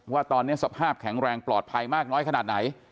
ว่าตอนนี้สภาพแข็งแรงปลอดภัยมากน้อยขนาดไหน